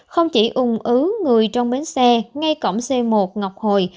không chỉ ung ứ người trong bến xe ngay cổng c một ngọc hồi